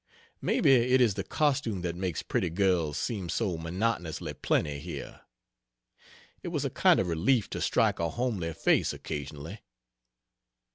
Maybe it is the costume that makes pretty girls seem so monotonously plenty here. It was a kind of relief to strike a homely face occasionally.